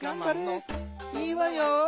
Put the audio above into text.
いいわよ」。